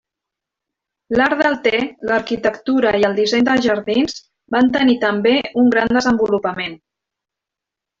L'art del te, l'arquitectura i el disseny de jardins van tenir també un gran desenvolupament.